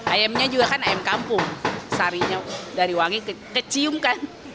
ayamnya juga kan ayam kampung sarinya dari wangi keciumkan